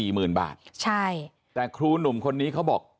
หมื่นบาทใช่แต่ครูหนุ่มคนนี้เขาบอก